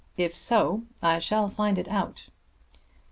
If so, I shall find it out."